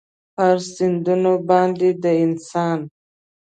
پر سیندونو باندې د انسان